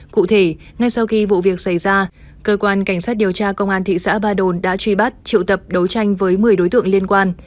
cụ thể ngay sau khi vụ việc xảy ra cơ quan cảnh sát điều tra công an thị xã ba đồn đã truy bắt triệu tập đấu tranh với một mươi đối tượng liên quan